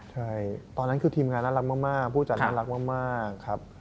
ใช่ตอนนั้นคือทีมงานน่ารักมากผู้จัดน่ารักมากครับ